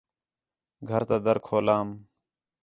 گھر تا در کھولام